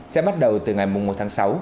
sẽ bắt đầu từ ngày một tháng sáu